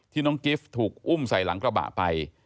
น้องกิฟต์ถูกอุ้มใส่หลังกระบะไป